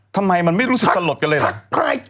ทำไมมันไม่รู้สึกสลดกันเลยล่ะ